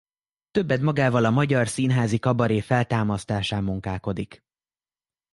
Többedmagával a magyar színházi kabaré feltámasztásán munkálkodik.